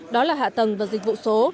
đó là hạ tầng và dịch vụ số